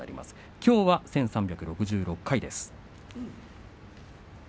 きょうは１３６６回です。